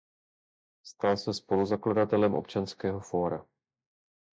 Stal se spoluzakladatelem Občanského fóra.